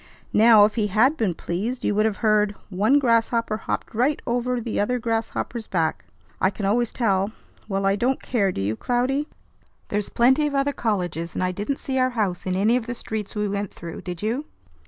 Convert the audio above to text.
Now, if he had been pleased, you would have heard 'One grasshopper hopped right over th' other grasshopper's back.' I can always tell. Well, I don't care; do you, Cloudy? There's plenty of other colleges, and I didn't see our house in any of the streets we went through, did you?"